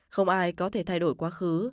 không ai có thể thay đổi quá khứ